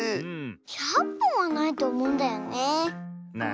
１００ぽんはないとおもうんだよねえ。